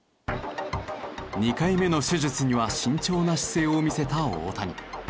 ２回目の手術には慎重な姿勢を見せた大谷。